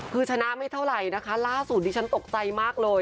คือชนะไม่เท่าไหร่นะคะล่าสุดดิฉันตกใจมากเลย